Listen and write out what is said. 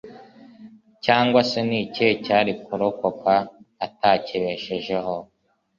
cyangwa se n'ikihe cyari kurokoka utakibeshejeho